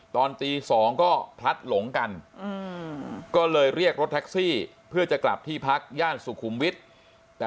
ตอนตี๒ก็พลัดหลงกันก็เลยเรียกรถแท็กซี่เพื่อจะกลับที่พักย่านสุขุมวิทย์แต่